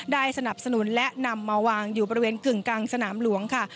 สนับสนุนและนำมาวางอยู่บริเวณกึ่งกลางสนามหลวงค่ะ